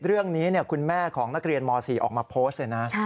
เรื่องนี้คุณแม่ของนักเรียนม๔ออกมาโพสต์เลยนะ